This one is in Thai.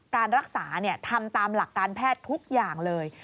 การรักษาทำตามหลักการแพทย์ทุกอย่างเลย